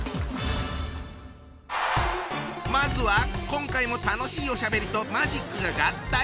まずは今回も楽しいおしゃべりとマジックが合体。